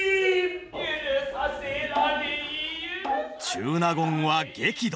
中納言は激怒！